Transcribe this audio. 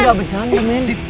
ini gak bercanda men